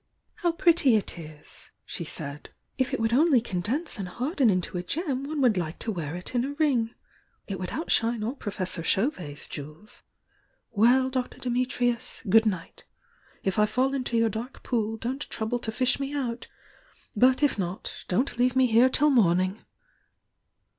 "How pretty it is!" she said. "If it would only condense and harden into a gem one would like to wear it in a ring! It would outshine all Professor Chauvet's jewels. WeU, Dr. Dimitrius, good night! If I fall into your dark pool don't trouble to fish me out! — but if not, don't leave me here till morning!"